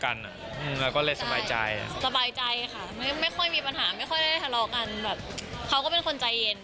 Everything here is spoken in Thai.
อันนี้มันก็เรียกว่าเปลี่ยน